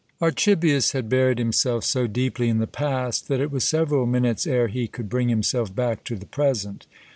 Archibius had buried himself so deeply in the past that it was several minutes ere he could bring himself back to the present.